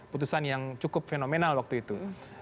putusan yang cukup fenomenal waktu itu